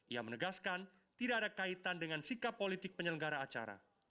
ia menegaskan tidak ada kaitan dengan sikap politik penyelenggara acara